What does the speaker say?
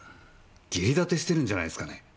義理立てしてるんじゃないですかね？